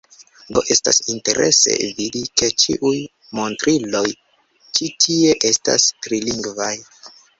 Do, estas interese vidi, ke ĉiuj montriloj ĉi tie estas trilingvaj